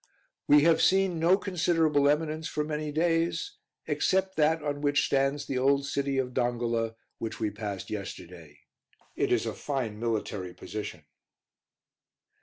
We have seen no considerable eminence for many days, except that on which stands the old city of Dongola, which we passed yesterday; it is a fine military position.